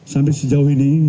sampai sejauh ini